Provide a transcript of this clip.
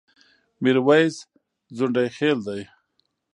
ميرويس ځنډيخيل ډه